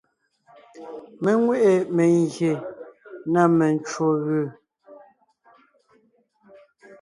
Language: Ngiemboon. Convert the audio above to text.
Mé nwé ʼe mengyè na mencwò gʉ.